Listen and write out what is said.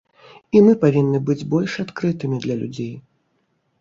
І мы павінны быць больш адкрытымі для людзей.